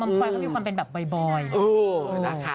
ฟอยเขามีความเป็นแบบบ่อยนะคะ